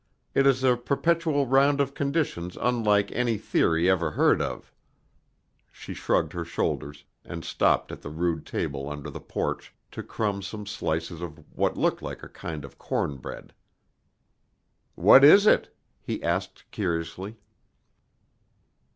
It is a perpetual round of conditions unlike any theory ever heard of." She shrugged her shoulders, and stopped at the rude table under the porch to crumb some slices of what looked like a kind of cornbread. "What is it?" he asked curiously.